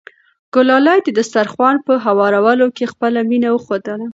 ګلالۍ د دسترخوان په هوارولو کې خپله مینه ښودله.